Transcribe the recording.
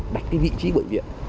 đặt cái vị trí bệnh viện